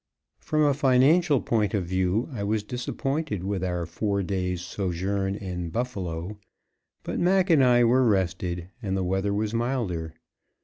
From a financial point of view, I was disappointed with our four days' sojourn in Buffalo, but Mac and I were rested, and the weather was milder.